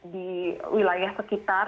di wilayah sekitar